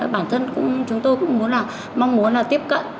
bản thân chúng tôi cũng mong muốn là tiếp cận